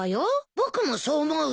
僕もそう思うよ。